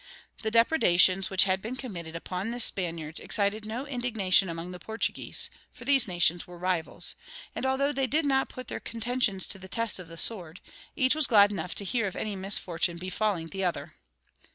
The depredations which had been committed upon the Spaniards excited no indignation among the Portuguese; for these nations were rivals, and although they did not put their contentions to the test of the sword, each was glad enough to hear of any misfortune befalling the other.